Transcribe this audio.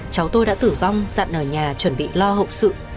cháu tôi đã tử vong dặn ở nhà chuẩn bị lo hậu sự